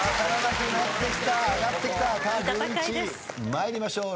参りましょう。